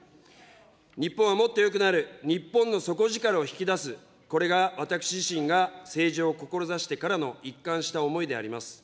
日本はもっとよくなる、日本の底力を引き出す、これが私自身が政治を志してからの一貫した思いであります。